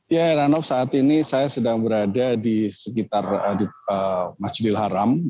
ya heranov saat ini saya sedang berada di sekitar masjidil haram